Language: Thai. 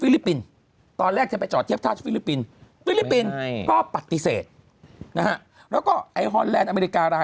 แล้วก็ไอ้ฮอลแลนด์อเมริกาอะไร